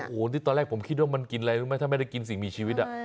โอ้โหนี่ตอนแรกผมคิดว่ามันกินอะไรรู้ไหมถ้าไม่ได้กินสิ่งมีชีวิต